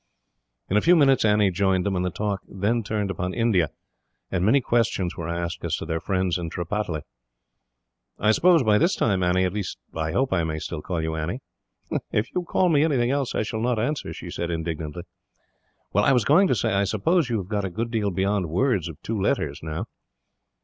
In a few minutes Annie joined them, and the talk then turned upon India, and many questions were asked as to their friends at Tripataly. "I suppose by this time, Annie at least, I hope I may still call you Annie?" "If you call me anything else, I shall not answer," she said indignantly. "Well, I was going to say, I suppose you have got a good deal beyond words of two letters, now?"